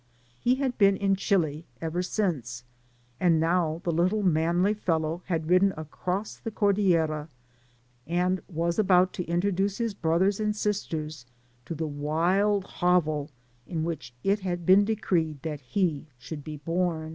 He had been in Chili ever since, and now the little manly fellow had ridden across the Cordillera, and was about to in troduce his brothers and sisters to the wild hovel in which it had been decreed that he should be bom.